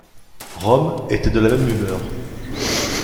Rome était de la même humeur.